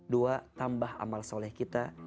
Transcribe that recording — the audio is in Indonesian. dua tambah amal soleh kita